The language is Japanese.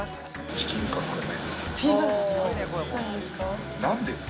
チキンカツかね？